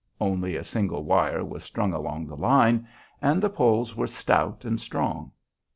Only a single wire was strung along the line, and the poles were stout and strong.